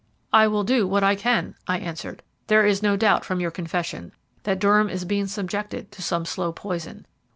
"I will do what I can," I answered. "There is no doubt, from your confession, that Durham is being subjected to some slow poison.